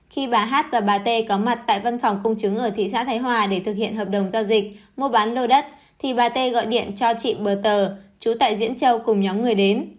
khi bà hát và bà t có mặt tại văn phòng công chứng ở thị xã thái hòa để thực hiện hợp đồng giao dịch mua bán lô đất thì bà tê gọi điện cho chị bờ tờ chú tại diễn châu cùng nhóm người đến